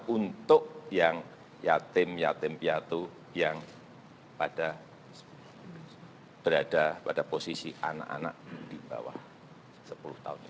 untuk yang yatim yatim piatu yang pada berada pada posisi anak anak di bawah sepuluh tahun ini